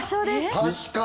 確かに。